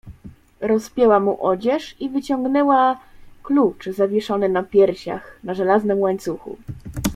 "Rozpięła mu odzież i wyciągnęła klucz, zawieszony na piersiach, na żelaznym łańcuchu."